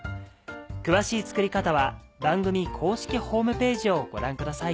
詳しい作り方は番組公式ホームページをご覧ください。